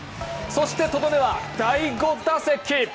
そしてとどめは第５打席。